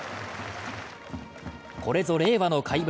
これぞ令和の怪物。